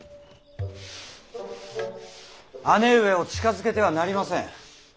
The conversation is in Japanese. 姉上を近づけてはなりません。